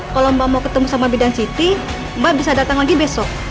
kalau mbak mau ketemu sama bidang city mbak bisa datang lagi besok